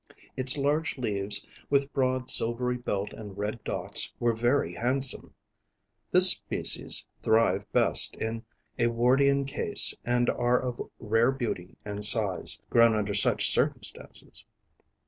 Its large leaves with broad silvery belt and red dots, were very handsome. This species thrive best in a Wardian case and are of rare beauty and size, grown under such circumstances.